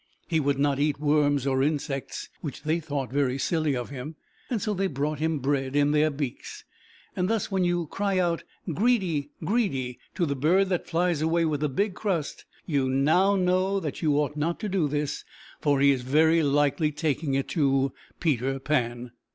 He would not eat worms or insects (which they thought very silly of him), so they brought him bread in their beaks. Thus, when you cry out, "Greedy! Greedy!" to the bird that flies away with the big crust, you know now that you ought not to do this, for he is very likely taking it to Peter Pan.